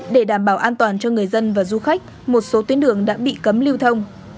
để đảm bảo an toàn cho người dân và du khách một số tuyến đường đã bị cấm lưu thông